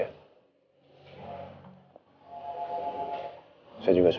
rena mau jalan jalan tuh